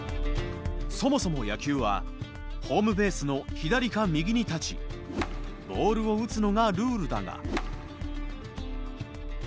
そもそも野球はホームベースの左か右に立ちボールを打つのがルールだが。